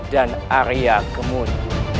dan arya kemun